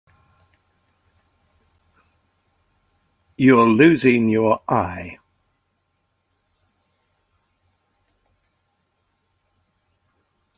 You're losing your eye.